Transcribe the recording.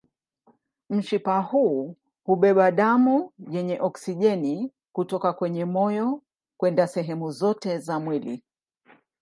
Mshipa huu hubeba damu yenye oksijeni kutoka kwenye moyo kwenda sehemu zote za mwili.